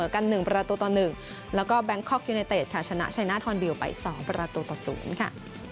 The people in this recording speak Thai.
กัน๑ประตูต่อ๑แล้วก็แบงคอกยูเนเต็ดค่ะชนะชัยนาธอนบิลไป๒ประตูต่อ๐ค่ะ